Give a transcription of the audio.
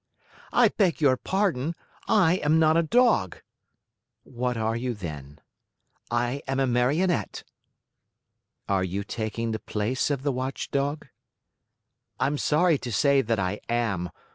"I beg your pardon, I am not a dog!" "What are you, then?" "I am a Marionette." "Are you taking the place of the watchdog?" "I'm sorry to say that I am.